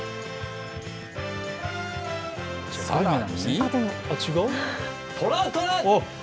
さらに。